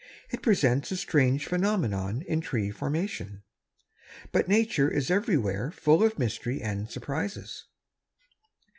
It presents a strange phenomenon in tree formation. But nature is everywhere full of mystery and surprises.